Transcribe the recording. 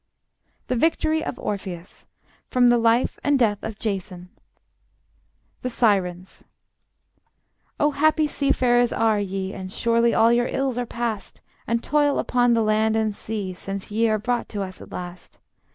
THE VICTORY OF ORPHEUS From 'The Life and Death of Jason' The Sirens: Oh, happy seafarers are ye, And surely all your ills are past, And toil upon the land and sea, Since ye are brought to us at last.